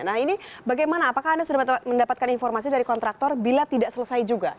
nah ini bagaimana apakah anda sudah mendapatkan informasi dari kontraktor bila tidak selesai juga